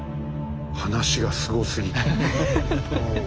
話がすごすぎて。